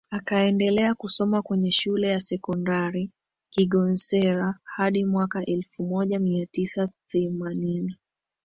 Akaendelea kusoma kwenye Shule ya Sekondari Kigonsera hadi mwaka elfu moja mia tisa themanini